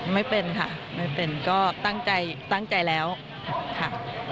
ไม่เป็นค่ะไม่เป็นก็ตั้งใจตั้งใจแล้วค่ะ